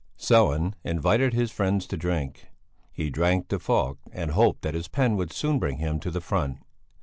Sellén invited his friends to drink; he drank to Falk, and hoped that his pen would soon bring him to the front.